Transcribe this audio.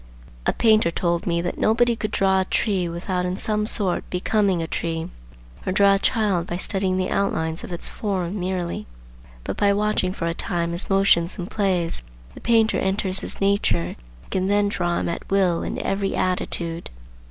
A painter told me that nobody could draw a tree without in some sort becoming a tree; or draw a child by studying the outlines of its form merely,—but, by watching for a time his motions and plays, the painter enters into his nature and can then draw him at will in every attitude.